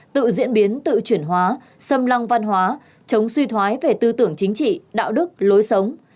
tự diễn biến tự chuyển hóa xâm lăng văn hóa chống suy thoái về tư tưởng chính trị đạo đức lối sống